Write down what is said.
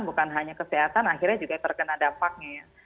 bukan hanya kesehatan akhirnya juga terkena dampaknya ya